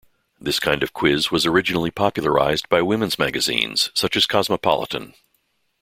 This kind of "quiz" was originally popularized by women's magazines such as "Cosmopolitan".